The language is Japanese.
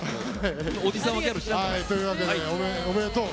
おじさんはギャル知らんから。というわけでおめでとう。